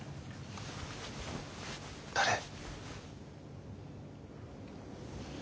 誰？